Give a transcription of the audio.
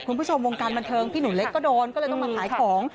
คุณผู้ชมวงการบันเทิงพี่หนูเล็กก็โดนก็เลยต้องมาขายของ